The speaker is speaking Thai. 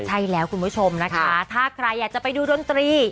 ใช่แล้วคุณผู้ชมนะคะถ้าใครอยากจะไปดูดนตรี